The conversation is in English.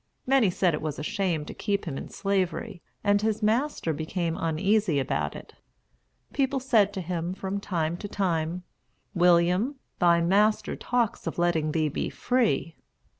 Many said it was a shame to keep him in slavery, and his master became uneasy about it. People said to him, from time to time, "William, thy master talks of letting thee be free."